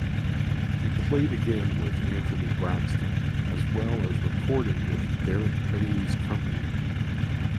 He played again with Anthony Braxton, as well as recording with Derek Bailey's Company.